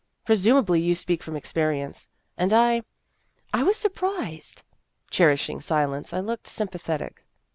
" Presumably you speak from experi ence. And I I was surprised." Cherishing silence, I looked sympa thetic.